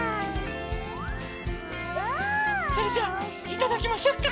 それじゃいただきましょうか。